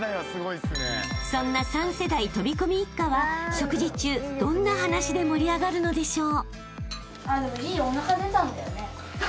［そんな３世代飛込一家は食事中どんな話で盛り上がるのでしょう］